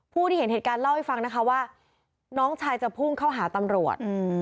ผู้ที่เห็นเหตุการณ์เล่าให้ฟังนะคะว่าน้องชายจะพุ่งเข้าหาตำรวจ